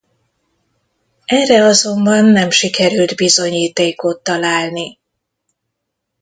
Erre azonban nem sikerült bizonyítékot találni.